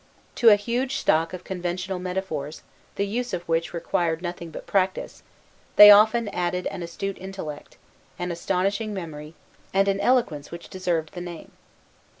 To a huge stock of conventional metaphors, the use of which required nothing but practice, they often added an astute intellect, an astonishing memory, and an eloquence which deserved the name.